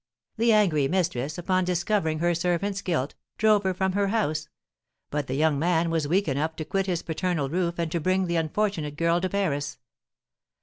"The angry mistress, upon discovering her servant's guilt, drove her from her house; but the young man was weak enough to quit his paternal roof, and to bring the unfortunate girl to Paris."